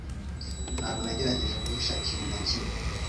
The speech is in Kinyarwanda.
Ntabwo nagerageje guhisha ikintu na kimwe